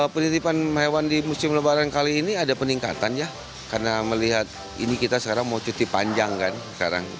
penitipan hewan di musim lebaran kali ini ada peningkatan ya karena melihat ini kita sekarang mau cuti panjang kan sekarang